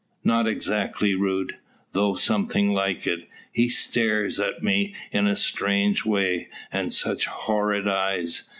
"Not exactly rude, though something like it. He stares at me in a strange way. And such horrid eyes!